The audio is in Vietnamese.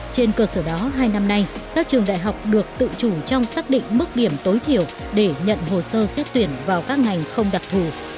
trên cơ sở đó hai năm nay các trường đại học được tự chủ trong xác định mức điểm tối thiểu để nhận hồ sơ xét tuyển vào các ngành không đặc thù